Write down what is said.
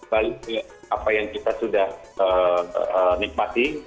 balik ke apa yang kita sudah nikmati